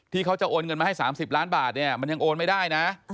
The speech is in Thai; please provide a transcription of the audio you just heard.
เขาจะโอนเงินมาให้๓๐ล้านบาทเนี่ยมันยังโอนไม่ได้นะ